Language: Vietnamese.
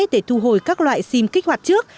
để thu hồi các loại sim kích hoạt trước